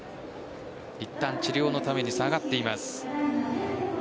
いったん治療のために下がっています。